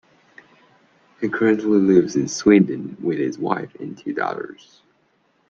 He currently lives in Swindon with his wife and two daughters.